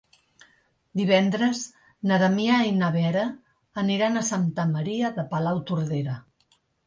Divendres na Damià i na Vera aniran a Santa Maria de Palautordera.